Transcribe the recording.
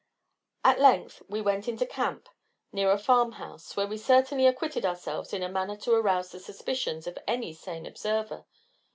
At length we went into camp near a farm house, where we certainly acquitted ourselves in a manner to arouse the suspicions of any sane observer.